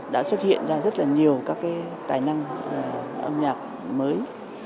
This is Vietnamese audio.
đã xuất hiện ra rất nhiều tài năng âm nhạc mới